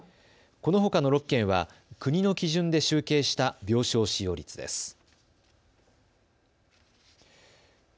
このほかの６県は、国の基準で集計した病床使用率です。